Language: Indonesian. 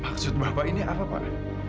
maksud bapak ini apa pak